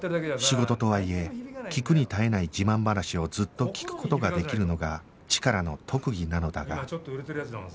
仕事とはいえ聞くに堪えない自慢話をずっと聞く事ができるのがチカラの特技なのだが